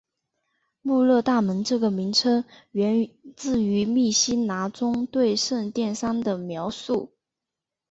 户勒大门这个名称源自于密西拿中对圣殿山的描述。